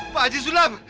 pak aji sulam